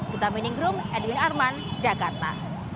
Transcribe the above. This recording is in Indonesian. kita meninggroom edwin arman jakarta